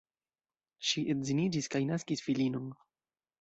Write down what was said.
Ŝi edziniĝis kaj naskis filinon.